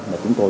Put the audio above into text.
mà chúng tôi